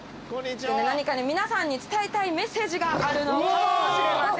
何か皆さんに伝えたいメッセージがあるのかもしれません。